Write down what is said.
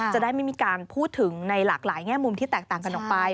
จะได้ไม่มีการพูดถึงในหลากหลายแง่มุมที่แตกต่างกันออกไป